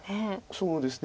そうですね。